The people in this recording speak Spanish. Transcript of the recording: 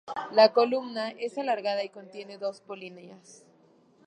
La columna es alargada y contiene dos polinias.